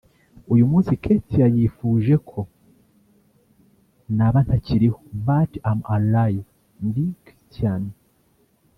uyu munsi Kethia yifuje ko naba ntakiriho but I'm alive ndi Christian